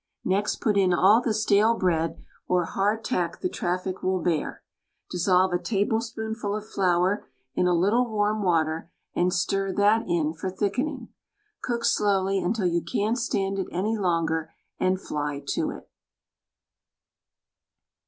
Next put in all the stale bread or hard tack the traffic will bear. Dissolve a tablespoonful of flour in a little warm water, and stir that in for thickening. Cook slowly until you can't stand it any longer, and fly to it.